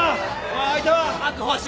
おい。